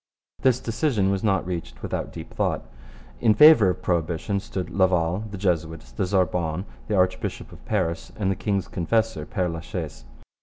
This decision was not reached without deep thought. In favour of prohibition stood Laval, the Jesuits, the Sorbonne, the Archbishop of Paris, and the king's confessor, Pere La Chaise.